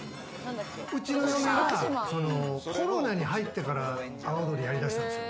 うちの嫁がコロナに入ってから阿波踊りやりだしたんですよ。